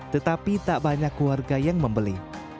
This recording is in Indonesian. tetapi tak banyak warga yang membeli